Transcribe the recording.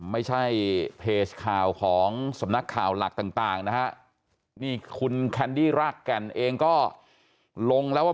ไม่ใช่เพจข่าวของสำนักข่าวหลักต่างนะฮะนี่คุณแคนดี้รากแก่นเองก็ลงแล้วว่า